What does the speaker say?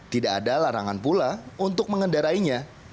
tidak ada larangan pula untuk mengendarainya